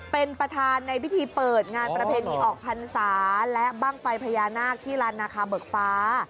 เป็นประธานในพิธีเปิดงานประเพณีออกพรรษาและบ้างไฟพญานาคที่ลานนาคาเบิกฟ้า